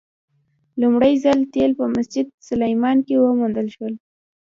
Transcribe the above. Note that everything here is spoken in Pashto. لومړی ځل تیل په مسجد سلیمان کې وموندل شول.